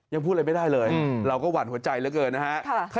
ยังพูดอะไรไม่ได้เลยเราก็หวั่นหัวใจเหลือเกินนะฮะ